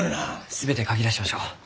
全て書き出しましょう。